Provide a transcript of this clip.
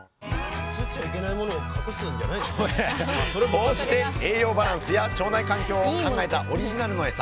こうして栄養バランスや腸内環境を考えたオリジナルのエサ。